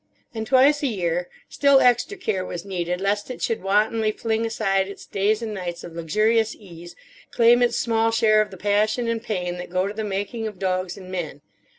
And twice a year still extra care was needed, lest it should wantonly fling aside its days and nights of luxurious ease, claim its small share of the passion and pain that go to the making of dogs and men.